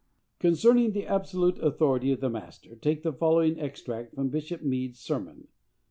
Concerning the absolute authority of the master, take the following extract from Bishop Mead's sermon.